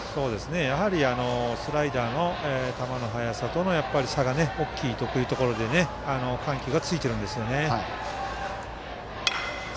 やはりスライダーの球の速さとの差が大きいというところで緩急がついてるんですよね。